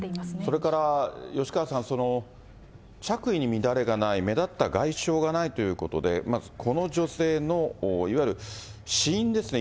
それから吉川さん、着衣に乱れがない、目立った外傷がないということで、まずこの女性のいわゆる死因ですね。